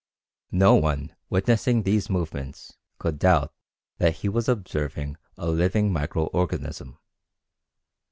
No one witnessing these movements could doubt that he was observing a living micro organism.